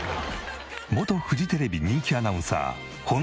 元フジテレビ人気アナウンサー本田朋子さん。